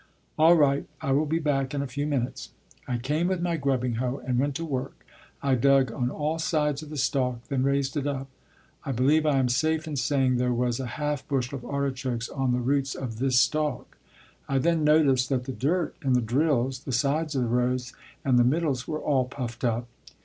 "All right, I will be back in a few minutes." I came with my grubbing hoe and went to work. I dug on all sides of the stalk, then raised it up. I believe I am safe in saying there was a half bushel of artichokes on the roots of this stalk. I then noticed that the dirt in the drills, the sides of the rows, and the middles were all puffed up.